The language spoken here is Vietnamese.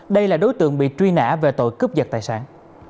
đây là đối tượng bị truy nã về tội cướp giật tài sản